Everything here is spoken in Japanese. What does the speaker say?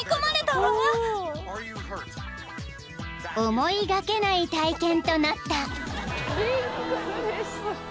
［思いがけない体験となった］